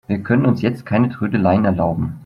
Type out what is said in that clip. Wir können uns jetzt keine Trödeleien erlauben.